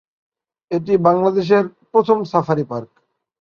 এটি বাংলাদেশের প্রথম সাফারি পার্ক।